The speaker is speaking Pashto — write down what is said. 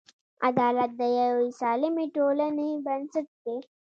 عدالت د یوې سالمې ټولنې بنسټ دی.